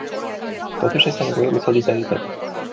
Totuși, este nevoie și de solidaritate.